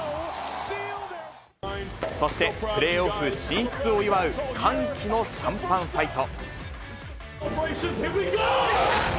そして、プレーオフ進出を祝う歓喜のシャンパンファイト。